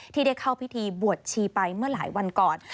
ที่ได้เข้าพิธีบวชชีไปเมื่อหลายวันก่อน